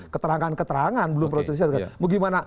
keterangan keterangan belum prosesusia